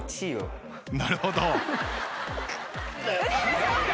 なるほど。